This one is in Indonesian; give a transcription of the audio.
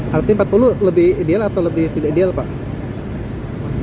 artinya empat puluh lebih ideal atau lebih tidak ideal pak